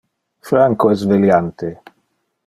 Franco es veliante.